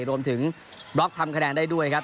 รวมถึงบล็อกทำคะแนนได้ด้วยครับ